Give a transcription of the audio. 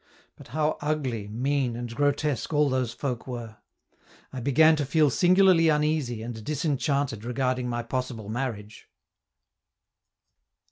But how ugly, mean, and grotesque all those folk were! I began to feel singularly uneasy and disenchanted regarding my possible marriage.